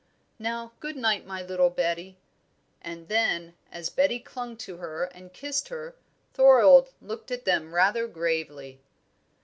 Now good night, my little Betty." And then, as Betty clung to her and kissed her, Thorold looked at them rather gravely.